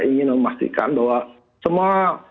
ingin memastikan bahwa semua